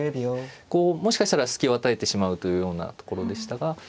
もしかしたら隙を与えてしまうというようなところでしたが。